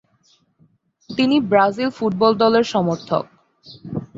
তিনি Brazil football দলের সমর্থক।